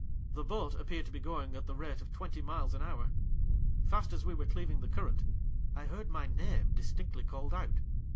The boat ap peared to be going at the rate of twenty miles an hour. Fast as we were cleaving the cur rent, I heard my name distinctly called out.